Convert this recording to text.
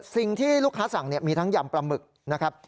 สิ่งที่ลูกค้าสั่งมีทั้งยำปลาหมึกนะครับ